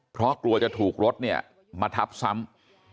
เพราะกลัวจะถูกรถเนี่ยมาทับซ้ำ